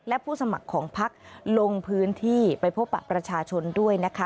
และผู้สมัครลงพื้นที่ไปพบประชาชนด้วยนะคะ